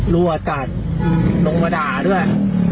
รั่วจัดลงมาด่าด้วย